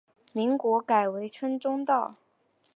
民国改为滇中道。